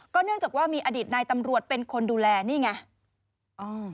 เนื่องจากว่ามีอดีตนายตำรวจเป็นคนดูแลนี่ไง